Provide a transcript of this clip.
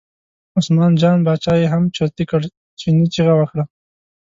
عثمان جان باچا یې هم چرتي کړ، چیني چغه وکړه.